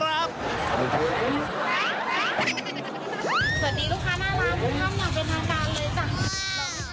สวัสดีลูกค้ามากรับขอบคุณมากเป็นปล่ำการเลยจัง